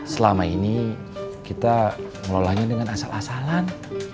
selama ini kita mengelolanya dengan asal asalan